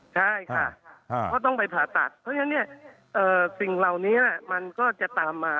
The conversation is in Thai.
ใช่ค่ะก็ต้องไปผ่าตัดเพราะฉะนั้นเนี่ยสิ่งเหล่านี้มันก็จะตามมา